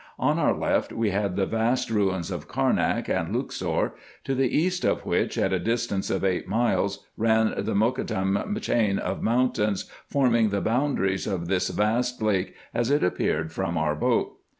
On our left we had the vast ruins of Carnak and Luxor ; to the east of which, at a distance of eight miles, ran the Mokattam chain of mountains, forming the boundaries of this vast lake as it appeared from our boat.